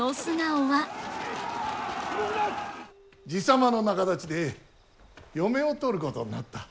爺様の仲立ちで嫁を取ることになった。